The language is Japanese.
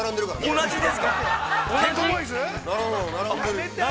◆同じですか。